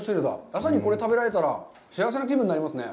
朝にこれを食べられたら、幸せな気分になりますね。